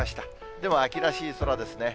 でも秋らしい空ですね。